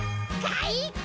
かいか！